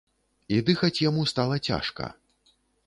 І дыхаць яму стала цяжка.